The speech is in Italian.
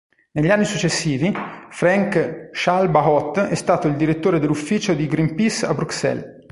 Negli anni successivi, Frank Schwalba-Hoth è stato il direttore dell'ufficio di Greenpeace a Bruxelles.